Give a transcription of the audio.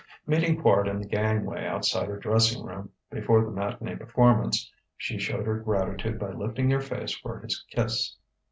Meeting Quard in the gangway outside her dressing room, before the matinée performance, she showed her gratitude by lifting her face for his kiss.